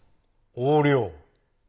横領？